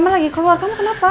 lagi keluar kamu kenapa